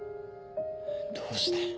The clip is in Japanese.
どうして。